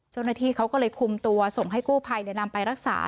จนที่เขาก็เลยคุมตัวส่งให้กู้ภัยและนำไปรักษา